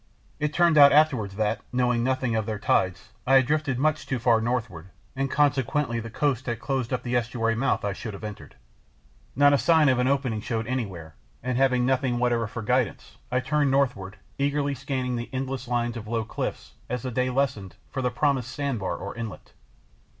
It turned out afterwards that, knowing nothing of their tides, I had drifted much too far to northward, and consequently the coast had closed up the estuary mouth I should have entered. Not a sign of an opening showed anywhere, and having nothing whatever for guidance I turned northward, eagerly scanning an endless line of low cliffs, as the day lessened, for the promised sand bar or inlet.